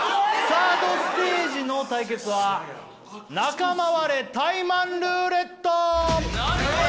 サードステージの対決は仲間割れタイマンルーレット！